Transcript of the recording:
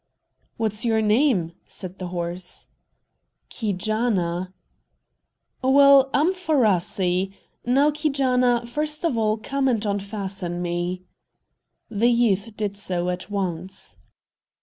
"What's your name?" said the horse. "Keejaanaa." "Well, I'm Faaraa'see. Now, Keejaanaa, first of all, come and unfasten me." The youth did so at once.